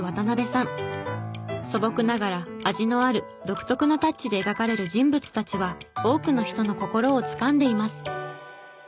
素朴ながら味のある独特なタッチで描かれる人物たちは多くの人の心をつかんでいます。